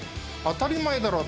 当たり前だろう！